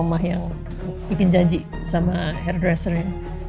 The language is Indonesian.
mau mama yang bikin janji sama hairdressernya